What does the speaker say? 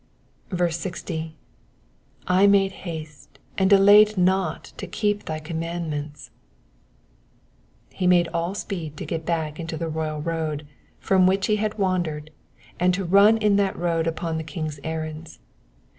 60. ''''I made haste, and delayed not to keep thy commandments,'*^ He made all speed to get back into the royal road from which he had wandered, and to run in that road upon the King's errands.